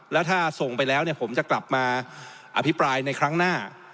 แล้วถ้าส่งไปแล้วผมจะกลับมาอภิปรายในครั้งหน้า